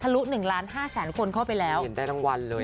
ทะลุ๑ล้าน๕แสนคนเข้าไปแล้วยอดมากเลยอ่ะ